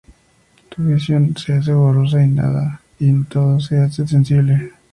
Tu visión se hace borrosa y nada y todo te hace sensible.